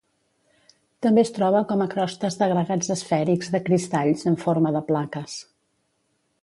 També es troba com a crostes d'agregats esfèrics de cristalls en forma de plaques.